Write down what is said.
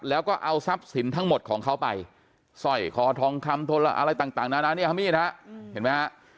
แล้วก็เอาทรัพย์สินทั้งหมดของเขาไปสร้อยคอทองคำอะไรต่างนานาเนี่ยฮะมีดฮะเห็นไหมฮะ